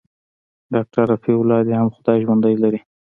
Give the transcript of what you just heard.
ډاکتر رفيع الله دې هم خداى ژوندى لري.